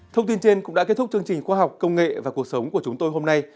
thông tin trên cũng đã kết thúc chương trình khoa học công nghệ và cuộc sống của chúng tôi hôm nay